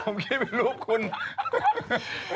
เหมือนป่าหรือ